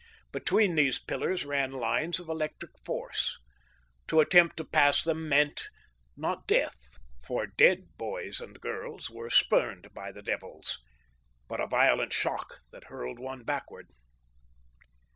Between these pillars ran lines of electric force. To attempt to pass them meant not death, for dead boys and girls were spurned by the devils but a violent shock that hurled one backward.